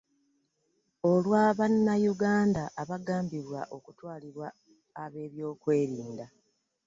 Olwa Bannayuganda abagambibwa okutwalibwa ab'ebyokwerinda